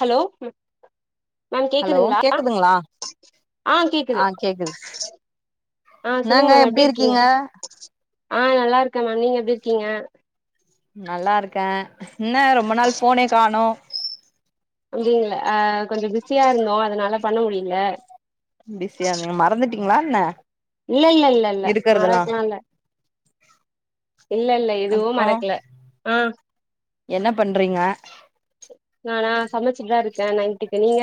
Hello hello கேகுதுங்ளா ஆ கேக்குது ஆஹ் கேகுது ஆ என்னாங்க எப்டி இருகீங்க ஆஹ் நல்லா இருக்கே மேம் நீங்க எப்டி இருகீங்க நல்லா இருகே என்ன ரொம்ப நாள் போனே காணோ அப்டிங்கள ஆ கொஞ்சோ பிஸியா இருந்தோ அதனால பண்ண முடியில பிசிய நீங் மறந்துட்டிங் ங்ளா என்ன இல்ல இல்ல இல்ல இல்ல இருக்கறதெல்லா மாறாகலா இல்ல இல்ல இல்ல எதுவு அப்றோ மறக்ல ஆஹ் என்ன பண்றீங்க நானா சமச்சுட்தா இருக் அ நைன்ட்டுகு நீங்க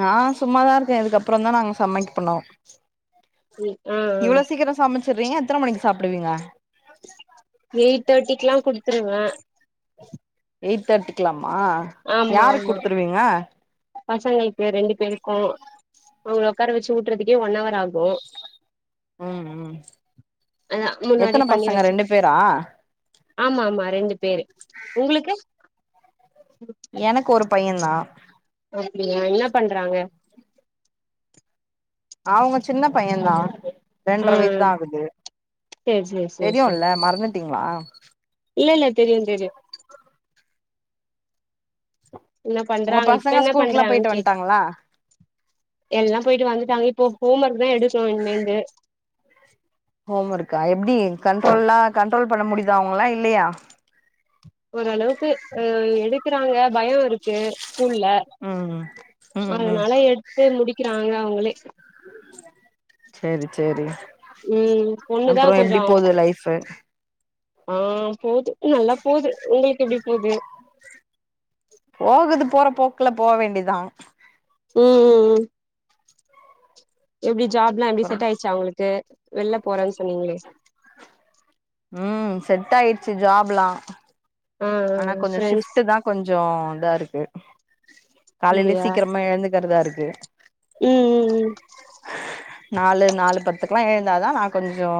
நா சும்மாதா இருக்கே இதுகப்றோ தா நாங் சம்மைக போன்னு உம் ஹ் உஹ் செற்றீங்க எத்தன மணிக்கி சாப்டுவீங்க எயிட் தேர்ட்டிக்குல்லா குடுத்துருவே எய்ட் தேர்டிக்லா ஆ யாரு குடுத்ருவீங்க பசங்கள்கு ரெண்டு பேருக்கு அவுங்ல ஒக்கார வச்சு ஊட்றதுகே ஒன் ஹவர் ஆகு ம் ம் அ அதா எத்தன முன்னாடியே பண்ணி பசங்க வச்சு ரெண்டு பேரா ஆமாமா ரெண்டு பேரு உங்ளுக்கு எனக்கு ஒரு பையந் தா அப்டியா என்ன பண்றாங்க அவுங்க சின்ன பையந் தா ரென்ற வயசு தா ம் ஆகுது சேரி சேரி சேரி சேரி தெரியுல மறந்து ப்டீங்ளா இல்ல இல்ல தெரியு தெரியு என்ன உங்க பண்றாங் இப்ப பசங்க என்ன ஸ்கூலுக்குல்லா பண்றாங்னு போயிட்டு கேட் வந்ட்டாங்களா எல்லா போய்ட்டு வந்துடாங்க இப்போ ஹோம் ஒர்க் தா எடு க்கனு இனிமேர்ந்து ஹோம் ஒர்க்கா எப்டி கண்ட்ரோல்லா கண்ட்ரோல் பண்ண முடிதா அவுங்களலா இல்லயா ஓரளவுக்கு எடுக்றாங்க பயோ இருக்கு ஸ்கூல்ல ம் ம் அதுனால எட்த்து முடிகிறாங்க அவுங்ளே செர்ரி சேரி ம் பொண்ணுதா அப்பறோ எப்டி போது லைஃபு ஆஹ் போது நல்லா போது உங்களுக்கு எப்டி போது போகுது போற போக்குல போக வேண்டிதா உம் உம் உம் எப்டி ஜாப்ல்லா எப்டி அப்றோ செட் ஆய்டுச்சா அவுங்களுக்கு வெள்ல போறேன் சொன்னீங்ளே சி ஜாப்லா ஆனா கொஞ்சோ ஃப்ரெண்ட்ஸ் ஷிப்ட்தா கொஞ்சோ இதா இருக்கு காலைலயே அப்டியா சீக்கிரமா எழுந்துக் தருதா இருக்கு ம் ம் ம் நாலு நாலு பத்துக்கலா எந் இருந்ததா நா கொஞ்சோ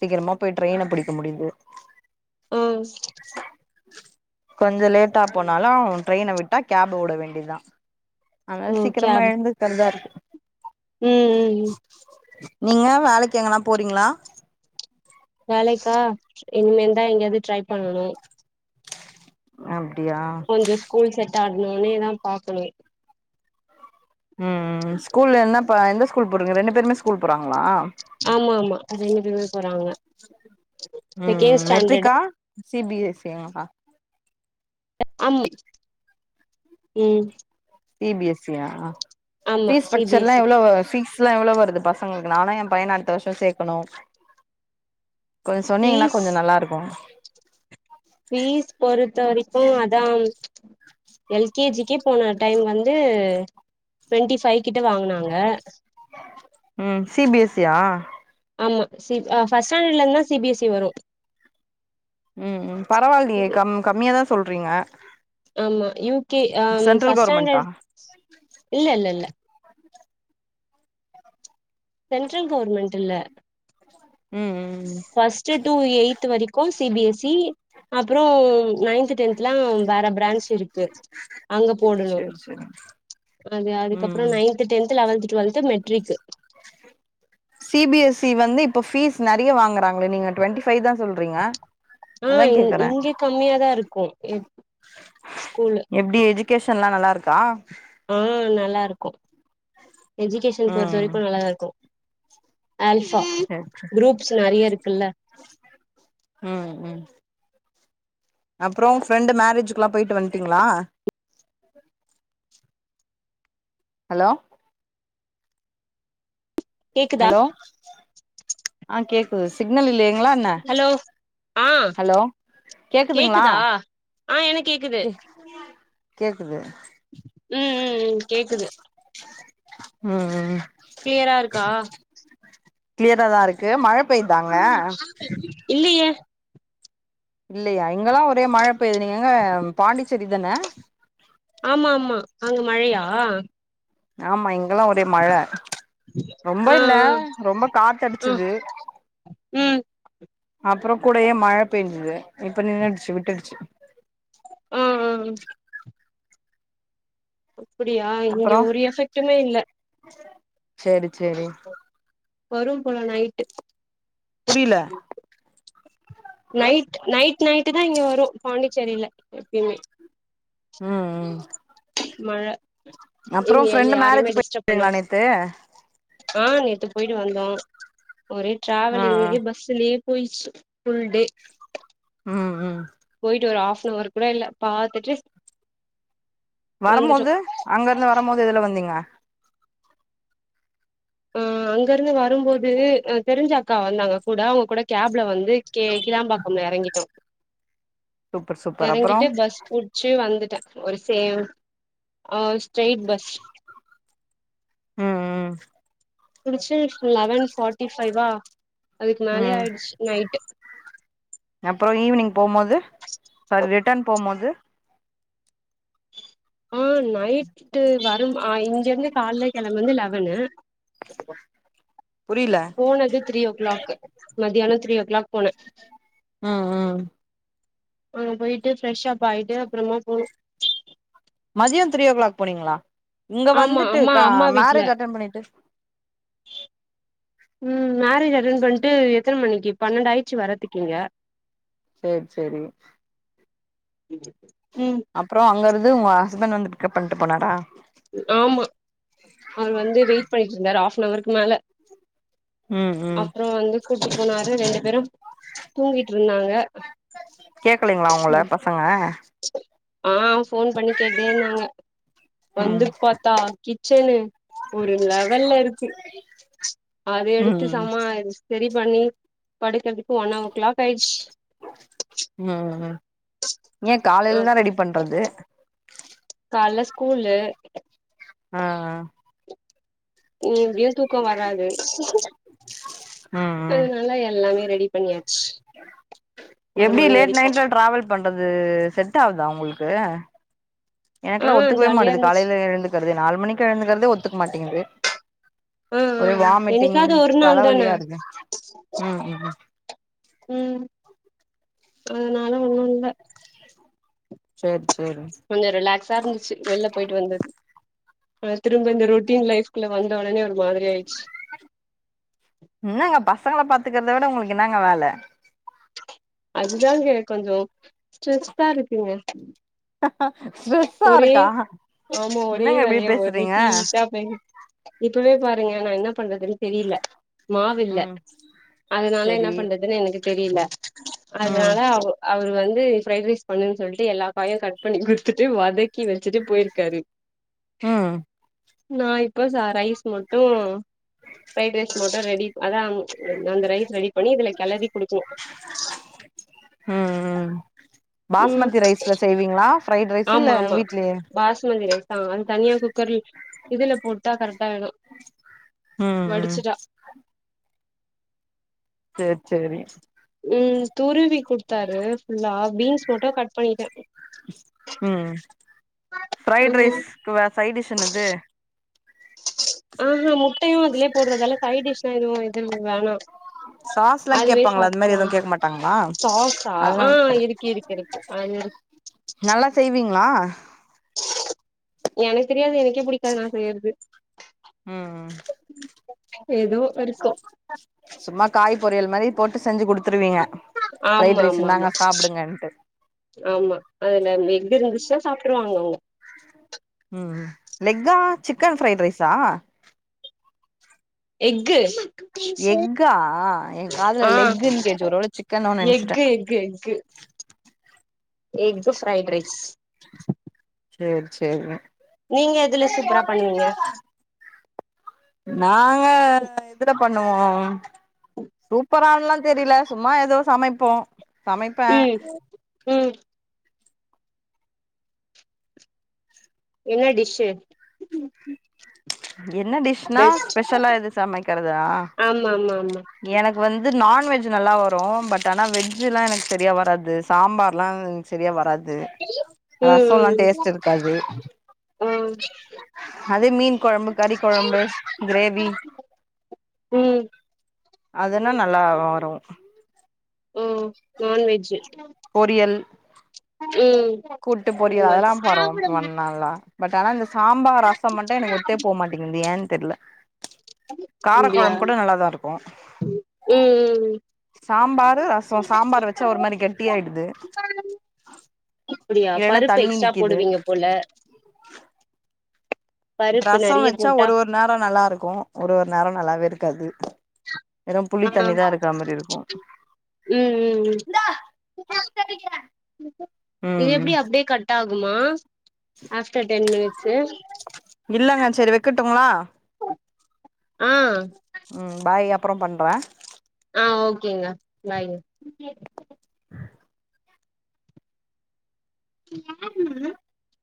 சீக்கிரமா போய் ட்ரெய்ன புடிக்க முடிது ஹு ம் கொஞ்சோ லேட்டா போனாலு அவ ட்ரெயின விட்டா கேப் ஓட வேண்டியதுதா அதனால சீக்ரமா எழுந்துக்கறதா இருக்கு உம் உம் நீங்க வேலைக்கு எங்கன்னா போறீங்களா வேலைக்கா இனிமேல்தா எங்கயாவது ட்ரை பண்ணனு ஆம ஒஞ்ச ஸ்கூல் செட் டாக்னேனதா பாக்கணு ம் ம் ஸ்கூல்ல என்னப் இப்ப எந்த ஸ்கூல் போட்ருக்கிங் ரெண்டு பேருமே ஸ்கூல் போறாங்ளா ஆமா ஆமா ரெண்டு பேர்மே போறாங்க உம் செகண்ட் ஸ்டாண்டர்ட் மெட்ரிக்கா சி பி எஸ் இ ங்கா ஆம் ம் சி பி எஸ் சி யா ஆமா ஃபீஸ் சி பி டக்ச்சர்லா எஸ் இ எவ்ளோ வ ஃபீஸ்லா எவ்ளோ வருது பா சங்களுக்கு நானு எம் பையன அடுத்த வருஷோ சேக்கணு கொஞ்சொ சொன்னீங்கன்னா ஃபீஸ் கொஞ்சொ நல்லா இருக்கு ஃபீஸ் பொறுத்த வரைக்கு அதா எல் கே ஜி க்கே போன டைம் வந்து டொவெண்ட்டி ஃபைவ் கிட்ட வாங்குனாங்க ம் சி பி எஸ் சி யா ஆமா சி அ ஃபஸ்ட் ஸ்டேண்டடுல இருந்தா சி பி எஸ் சி வரு உம் ம் பரவால்டி கம் கம்மியாதா சொல்றீங்க ஆமா யுவ் கே அ சென்ட்ரல் ஃபஸ்ட் கவர்மெண்ட்டா ஸ்டேண்டர்டு இல்ல இல்ல இல்ல சென்ட்ரல் கவர்மென்ட் இல்ல ம் ம் ஃபஸ்ட் டு எய்ட்த் வரைக்கு சி பி எஸ் சி அப்றொ நைன்த் டென்த்லாம் வேற பிரான்ச் இருக்கு அங்க போடணு சேரி சேரி அது அதுக்கப்பறொ ம் ninth tenth eleventh twelfth matric C B S C வந்து இப்ப ஃபீஸ் நெறைய வாங்கறாங்களே நீங்க டுவெண்ட்டி ஃபைவ் தா சொல்றீங்க அதா ஆஹ் இங் கேக்குறே இங்கே கம்மியாதா இருக்கு எ ஸ்கூல்ல ஷெல்லா நல்லா இருக்கா ஹ் நல்லா இருக்கு எஜுகேஷன் ம் பொறுத்தவரைக்கு நல்லாதா இருக்கு ஆல்ஃபா சேரி சேரி குரூப்ஸ் நெறைய இருக்குல்ல உஹ் ஹ் அப்றொ ஃப்ரெண்டு மேரேஜுக்குலா போயிட்டு வந்ட்டீங்களா ஹலோ கேக்குதா ஹலோ ஆ கேக் பேஸ் ஹலோ ஆ ஹலோ கேக்குதுங்களா கேக்குதா ஆ எனக் கேக்குது கே கேக்குது ம் ம் ம் கேக்குது ம்ஆ கிளியரா இருக்கா கிளியரா தா இருக்கு மழ பேய்தாங்க இல்லையே இல்லையா இங்கெல்லா ஒரே மழ பெய்து நீங்க எங்க பாண்டிச்சேரி தான ஆமா ஆமா அங்க மழையா ஆமா இங் இங்கெல்லா ஒரே மழ ரொம்ப ஆ இல்ல ரொம்ப ஆ காத்தடிச்சிது ம் அப்றோ கூடயே மழ பேஞ்சிது இப்ப நின்னுடுச்சு விட்டுடுச்சு ஆஆ அப்டியா இங்க அப்புறோ ஒரு எஃபெக்ட்டுமே இல்ல சரி சரி வரும் போல நைட்டு புரியில நைட் நைட் நைட்டு தான் இங்க வரும் பாண்டிச்சேரில எப்பயுமே ம் ம் மழ அப்றோ இங்க எல்ல ஃப்ரெண்டு் யாரையுமே மேரேஜ் டிஸ்டர்ப் போயிட்டீங்களா பண்ணாது நேத்து ஆ நேத்து போயிட்டு வந்தோ ஒரே ஆ ட்ராவல் ஆ எங்களுக்கே பஸ்ஸுலே போய்ச்சு ஃபுல்டே ம் ம் போய்ட்டு ஒரு ஹாஃபனவர் கூட இல்ல பாத்துட்டு வந்துட்டோ வரமோது அங்கருந்து வரமோது எதுல வந்திங்க ஆ அங்கர்ந்து வரும்போது ஆ தெரிஞ்ச அக்கா வந்தாங்க கூட அவுங்க கூட கேப்ல வந்து கே கிளாம்பாக்கம்ல எறங்கிட்டோ சூப்பர் சூப்பர் அப்புறோ எறங்கிட்டு பஸ் புட்ச்சி வந்துட்டே வருசையா ஆ ஸ்ட்ரெய்ட் பஸ் ம் ம் புடிச்சு லெவன் ஃபாட்டி ஃபைவ்வா அதுக்கு மேலயே ஆயிட்ச்சு நைட் அப்றோ ஈவ்னிங் போமோது சாரி ரிட்டன் போமோது ஆ நைட்டு் வரும் ஆ இங்கருந்து கால்லே கெழம்புனது வந்து லெவனு புரில போனது த்ரீ ஓக்ளாக்கு மத்தியானம் த்ரீ ஓக். க்ளாக் போன. உம் உம் அங்க போய்ட்டு ஃப்ரஷப். பாய்ட்டு அப்றமா போனு. மதியம் த்ரீ ஓக்ளாக் போனீங்ளா. இங்க ஆமா அம்மா வந்துட்டுக மேரேஜ் அட்டன் பண்ணிட்டு. உம் மேரேஜ் அட்டன் பண்ட்டு எத்தன மணிக்கு பண்டாயிச்சு வரத்துக்கிங்க. சேர்ச் செரி. ம் அப்றம் அங்கருந். து உங்க ஹஸ்பண்ட் வந்து பிக்கப் பண்ட்டு போனாரா. ஆம்மா அவர் வந்து வெயிட் பண்ணிட்டு இருந்தாரு ஆஃப். னவருக்கு மேல. ம் ம் அப்றம் வந்து கூட்டி போனாரு ரெண்டு பேரும் தூங்கிட்ரிந்தாங்க. கேக்கலைங்களா உங்கள பசங்க ஆஹ் போன் பண்ணி கேட்டேர்ந்தாங்க. ம் வந்துப்பாத்தா கி. ச்சனு. ஒரு லெவல்ல இருக்கு. அது எடுத்து ம் [unintelligible] செரி பண்ணி படுக்கறது. [unintelligible] ஏன் அ காலைலதா ரெடி பண்றது. கால்ல ஸ்கூலு. ஆஹ் ஆஹ் ஹிம் எப்டியும் தூக்கம் வராது. ம் ம் அதுனால எல்லாமே ரெடி பண்ணியாச்சு ஒரு எப்டி மணி லேட் வரைக்கு நைட்ல டிராவல் பண்றது செட் ஆகுதா உங்களுக்கு [unintelligible] ஆ எனக்கெல்லா ஒத்துக்கவே ஜாலியா மாட்குது இருந்துச்சு காலைல எழுந்துக்கிறதே நாலு மணி பிறந்ததுல இருந்தே ஒத்துக்க மாட்டேங்குது ம் ஒரே ம் ம் வாமிட்டிங் என்னைக்காது ஒரு நாள் தானே தலவலியா இருக்கு ம் ம் ம் அதனால ஒண்ணு இல்ல செரி கொஞ்சோ ரிலாக்ஸா இருந்துச்சு வெளில போயிட்டு வந்தது அ திரும்ப இந்த ரொட்டீன் லைஃப்குள்ள வந்த உடனே உனக் மாதிரி ஆயிருச்சு என்னங்க பசங்கள பாத்துக்கறத விட உங்களுக்கு என்னங்க வேல அதுதாங்க கொஞ்சோ ஸ்ட்ரெஸ்ப்பா இருக்குங்க ஸ்ட்ரெஸ்ஸா ஒரே இருக்கா ஆமா ஒரே என்னங்க இப்டி வேலையா பேசுறீங்க [unintelligible] இப்பவே பாருங்க நா என்ன பண்றதுனு தெரில மாவு இல்ல ம் அதனால என்ன செரி பண்றதுன்னு எனக்கு தெரில ம் அதனால அவ அவரு வந்து து பிரைட் ரைஸ் பண்ணுனு சொல்ட்டு எல்லா காயும் கட் குடுத் த்துட்டு வதக்கி வச்சிட்டு போய்ருக்காரு ம் நா இப்போ சா ரைஸ் மட்டு ப்ரைடு ரைஸ் மட்டு ரெடி அதா அந்த ரைஸ் ரெடி பண்ணி இதுல கெளறி குடுக்கணு ம் ம் ம் பாஸ்மதி ரைஸ்ல செய்வீங்களா ப்ரைட் ரைஸ் இல்ல வீட்லயே ஆ அது தனியா குக்கர் இதுல போட்டா கரெக்டாயிடு ம் ம் வடிச்சிட்டா செரி செரி ம் துருவி கொடுத்தாரு ஃபுல்லா பீன்ஸ் மட்டு கட் பண்ணிட்டே ம் ஃப்ரைட் ம் ரைஸ்க்கு சைடிஷ் என்னது ஆஹா முட்டையு அதுலே போடுறதால சைடிஷ் [unintelligible] இது வேணா சாஸ்லாம் அதுவே கேட்பாங்களா அது மாதிரி சாப்ட்ருவாங்க எதுவும் கேட்க மாட்டாங்களா சாஸா அதனால ஆ கேட்ட இருக்கு இருக்கு இருக்கு அது இருக்கு நல்லா செய்வீங்களா எனக்கு தெரியாது எனக்கே புடிக்காது நான் செய்யறது உம்ஹ் ஏதோ ஒரு ச சும்மா காய் பொரியல் மாதிரி போட்டு செஞ்சு குடுத் குத்துருவீங்க பிரைட் ஆமா ரைஸ் ஆமா ஆமா இந்தாங்க சாப்பிடுங்கன்ட்டு ஆமா அதுல எஃகு இருந்துச்சுன்னா சாப்ட்ருவாங்க அவங்க உம் லெக்கா சிக்கன் பிரைட் ரைஸா எக்கு எக்கா ஆ என் காதுல ஆ லெக்குன்னு கேட்டுச்சு ஒருவேள சிக்கனோனு எக்கு நினைச்சுட்டேன் egg egg egg fried rice சேர் சேரிங்க நீங்க எதுல சூப்பரா பண்ணுவீங்க நாங்க இதுல பண்ணுவோம் சூப்பரா எல்லாம் தெரில சும்மா ஏதோ சமைப்போம் ம் ம் என்ன டிஷ்ஷு என்ன டிஷ்னா பெஸ்ட் ஸ்பெஷலா எது சமைக்கிறதா ஆமா ஆமா ஆமா எனக்கு வந்து அது நான்வெஜ் நல்லா வரும் பட் ஆனா வெஜ்ஜெலாம் எனக்கு சரியா வராது சாம்பாரெலாம் சரியா வராது து ம் ரசமெலாம் டேஸ்ட் இருக்காது ம் அதே மீன் குழம்பு கறி குழம்பு கிரேவி ம் அதெல்லாம் நல்லா வரும் ம் நான்வெஜ் பொரியல் ம் கூட்டு பொரிய அது அதெல்லா மாதிரி பரும் பண்லால்லா பட் ஆனா இந்த சாம்பார் ரசம் மட்டு எனக்கு ஒத்தே போ மாட்டேங்கிது ஏன்னு தெர்ல காரக் கொழம்பு கூட நல்லாதாருக் போ உம் உம் சாம்பாரு ரசம் சாம்பார் வச்சா ஒரு மாதிரி கெட்டியாயிடுது அப்படியா இல்லன்னா பருப்பு தண்ணி எக்ஸ்ட்ரா நிக்கிது போடுவீங்க போல பருப்பு ரசம் நெறைய வச்சா போட்டா ஒரு ஒரு நேரம் நல்லா இருக்கு ஒரு ஒரு நேரம் நல்லாவே இருக்காது வெறும் புளி ஆ தண்ணிதான் இருக்க மாதிரி இருக்கு ம் ம் ம் இது எப்படி அப்டி கட்டா ஆகுமா அஃப்டர் டென் மினிட்ஸ் சேர் இல்லங்க சேரி வைக்கட்டுங்களா ஆ ம் பாய் அப் அப்பறம் பண்ற ஆ ஓகேங்க பாய்ங்க [unintelligible]